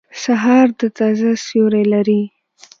سهار د تازه سیوری لري.